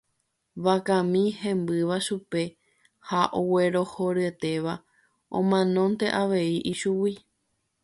vakami hembýva chupe ha oguerohoryetéva omanónte avei ichugui